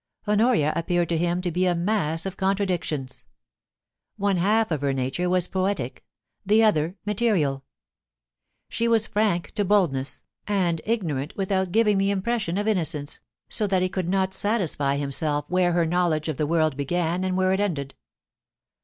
Honoria appeared to him to be a mass of contradictions. One half of her nature was poetic, the other material. She was frank to boldness, and ignorant without giving the im pression of innocence, so that he could not satisfy himself where her knowledge of the world began and where it ended.